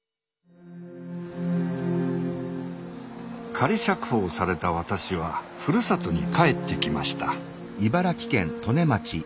仮釈放された私はふるさとに帰ってきました。